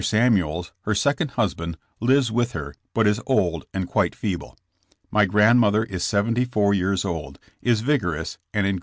Samuels, her second husband, lives with her, but is old and quite feeble. My grandmother is seventy four years old, is vigorous and in good health.